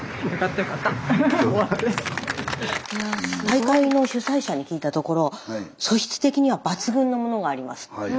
大会の主催者に聞いたところ素質的には抜群のものがあります。